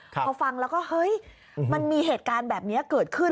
พอฟังแล้วก็เฮ้ยมันมีเหตุการณ์แบบนี้เกิดขึ้น